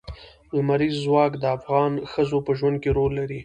لمریز ځواک د افغان ښځو په ژوند کې رول لري.